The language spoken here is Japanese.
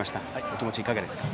お気持ちいかがですか？